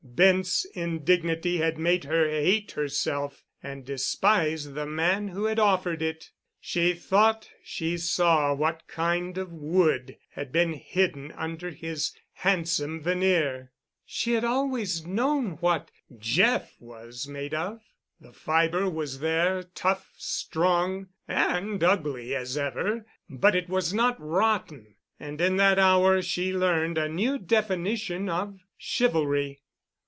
Bent's indignity had made her hate herself and despise the man who had offered it. She thought she saw what kind of wood had been hidden under his handsome veneer—she had always known what Jeff was made of. The fibre was there, tough, strong, and ugly as ever, but it was not rotten. And in that hour she learned a new definition of chivalry.